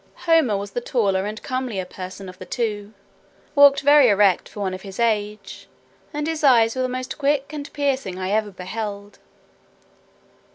Homer was the taller and comelier person of the two, walked very erect for one of his age, and his eyes were the most quick and piercing I ever beheld.